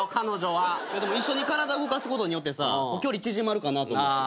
でも一緒に体動かすことによってさ距離縮まるかなと思って。